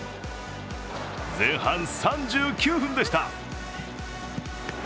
前半３９分でした。